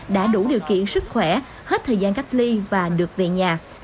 đã đủ điều kiện sức khỏe hết thời gian cách ly và được về nhà